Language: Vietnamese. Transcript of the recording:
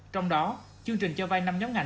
trong đó chương trình cho vay năm nhóm ngành